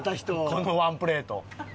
このワンプレート。